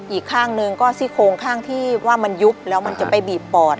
อีกข้างหนึ่งก็ซี่โครงข้างที่ว่ามันยุบแล้วมันจะไปบีบปอด